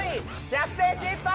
逆転失敗！